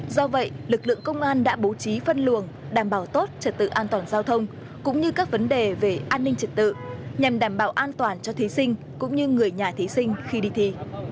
do vậy lực lượng công an đã bố trí phân luồng đảm bảo tốt trật tự an toàn giao thông cũng như các vấn đề về an ninh trật tự nhằm đảm bảo an toàn cho thí sinh cũng như người nhà thí sinh khi đi thi